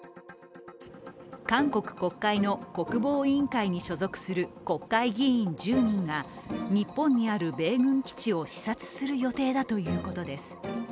韓国国会の国防委員会に所属する国会議員１０人が日本にある米軍基地を視察する予定だということです。